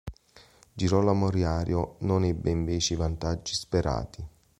Girolamo Riario non ebbe invece i vantaggi sperati.